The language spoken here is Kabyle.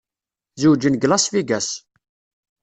Zewǧen deg Las Vegas.